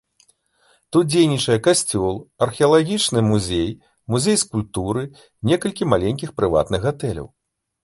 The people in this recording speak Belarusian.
Тут дзейнічае касцёл, археалагічны музей, музей скульптуры, некалькі маленькіх прыватных гатэляў.